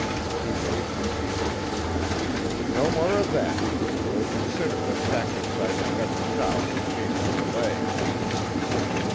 He waved his hand. "No more of that; we'll consider what tactics I had better adopt in case of delay."